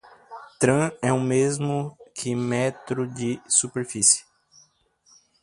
"Tram" é o mesmo que metro de superfície.